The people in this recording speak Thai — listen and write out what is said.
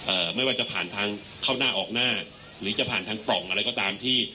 ไม่ว่าจะผ่านทางเข้าหน้าออกหน้าหรือจะผ่านทางปล่องอะไรก็ตามที่